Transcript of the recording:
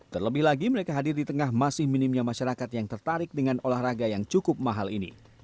terlebih lagi mereka hadir di tengah masih minimnya masyarakat yang tertarik dengan olahraga yang cukup mahal ini